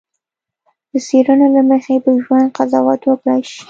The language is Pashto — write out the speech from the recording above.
د څېړنې له مخې په ژوند قضاوت وکړای شي.